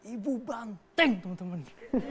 ibu banteng temen temen